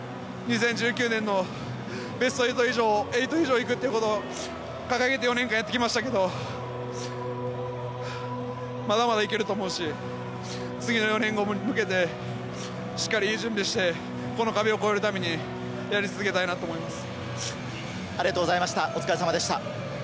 ２０１９年のベスト８以上に行くということを掲げて４年間やってきましたけれども、まだまだいけると思うし、次の４年後に向けて、しっかりといい準備をして、この壁を越えるためにやり続けたいなと思います。